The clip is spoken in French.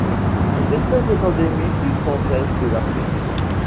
Cette espèce est endémique du centre-Est de l'Afrique.